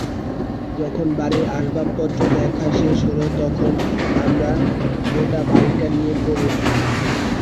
যখন বাড়ির আসবাবপত্র দেখা শেষ হল তখন আমরা গোটা বাড়িটাকে নিয়ে পড়লাম।